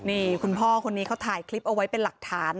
นี่คุณพ่อคนนี้เขาถ่ายคลิปเอาไว้เป็นหลักฐาน